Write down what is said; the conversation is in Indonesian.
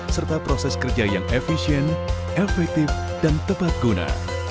serta proses kerja yang efisien efektif dan tepat guna